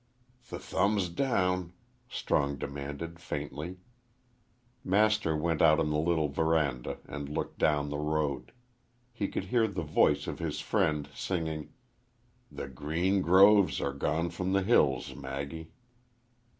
"Th thumbs down," Strong demanded, faintly. Master went out on the little veranda and looked down the road. He could hear the voice of his friend singing: "The green groves are gone from the hills, Maggie."